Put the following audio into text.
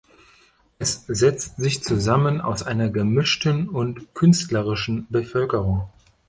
Es setzt sich zusammen aus einer gemischten und künstlerischen Bevölkerung.